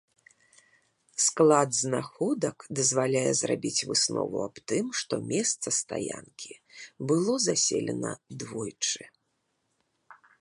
Склад знаходак дазваляе зрабіць выснову аб тым, што месца стаянкі было заселена двойчы.